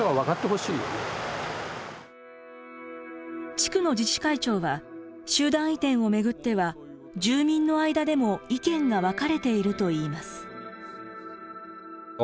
地区の自治会長は集団移転を巡っては住民の間でも意見が分かれているといいます。